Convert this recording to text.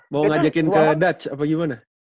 mau ngajakin ke dutch apa gimana